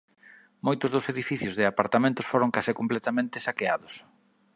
Moitos dos edificios de apartamentos foron case completamente saqueados.